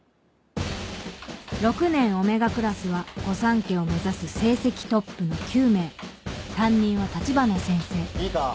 ６年Ωクラスは御三家を目指す成績トップの９名担任は橘先生いいか？